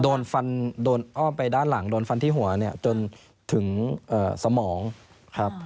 โดนฟันโดนอ้อมไปด้านหลังโดนฟันที่หัวเนี่ยจนถึงสมองครับ